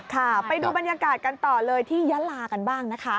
ค่ะไปดูบรรยากาศกันต่อเลยที่ยะลากันบ้างนะคะ